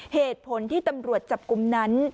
เหตุผลที่ตำรวจจับกลุ่มนั้น